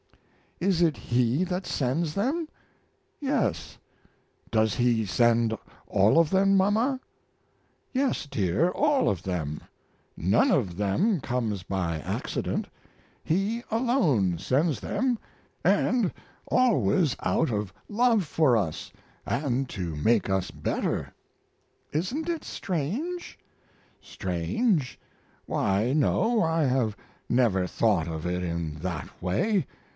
"Is it He that sends them?" "Yes." "Does He send all of them, mama?" "Yes, dear, all of them. None of them comes by accident; He alone sends them, and always out of love for us, and to make us better." "Isn't it strange?" "Strange? Why, no, I have never thought of it in that way.